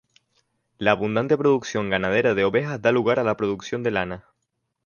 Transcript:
La abundante producción ganadera de ovejas da lugar a la producción de lana.